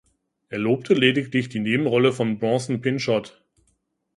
Er lobte lediglich die Nebenrolle von Bronson Pinchot.